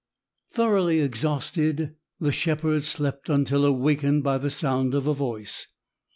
Thoroughly exhausted, the shepherd slept until awakened by the sound of a voice.